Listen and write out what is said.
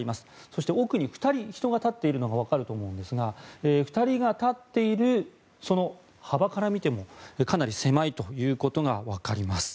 そして、奥に２人人が立っているのがわかると思うんですが２人が立っているその幅から見てもかなり狭いということがわかります。